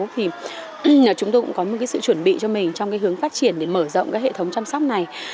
thì chúng tôi cũng có một cái sự chuẩn bị cho mình trong cái hướng phát triển để mở rộng cái hệ thống chăm sóc này